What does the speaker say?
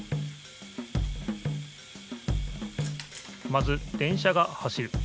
まず電車が走る。